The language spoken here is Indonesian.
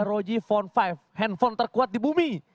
rog phone lima handphone terkuat di bumi